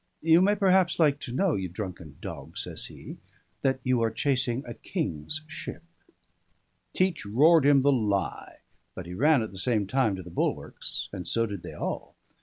"You may perhaps like to know, you drunken dog," says he, "that you are chasing a King's ship." Teach roared him the lie; but he ran at the same time to the bulwarks, and so did they all.